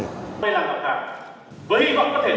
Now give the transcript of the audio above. đây là một thằng